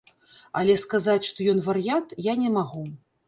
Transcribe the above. Але сказаць, што ён вар'ят, я не магу.